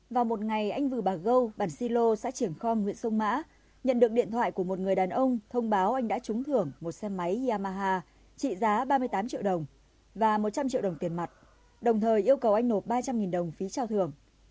vào một ngày anh vừa bà gâu bản si lô xã triển khong huyện sông mã nhận được điện thoại của một người đàn ông thông báo anh đã trúng thưởng một xe máy yamaha trị giá ba mươi tám triệu đồng và một trăm linh triệu đồng tiền mặt đồng thời yêu cầu anh nộp ba trăm linh đồng phí trao thưởng